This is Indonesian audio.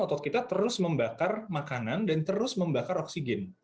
otot kita terus membakar makanan dan terus membakar oksigen